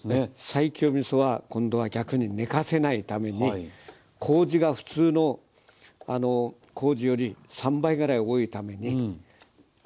西京みそは今度は逆に寝かせないためにこうじが普通のこうじより３倍ぐらい多いために砂糖が要らないんですよ。